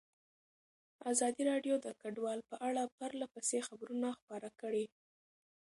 ازادي راډیو د کډوال په اړه پرله پسې خبرونه خپاره کړي.